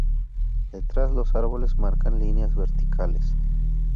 Detrás, los árboles marcan líneas verticales.